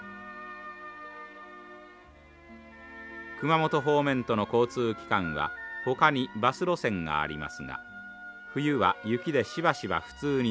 熊本方面との交通期間はほかにバス路線がありますが冬は雪でしばしば不通になります。